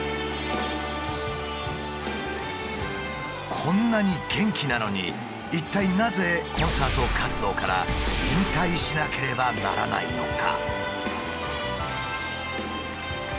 こんなに元気なのに一体なぜコンサート活動から引退しなければならないのか？